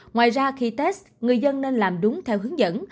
ngoài ra khi test người dân nên làm đúng theo hướng dẫn